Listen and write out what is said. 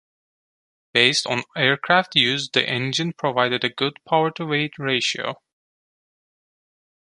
Based on aircraft use the engine provided a good power-to-weight ratio.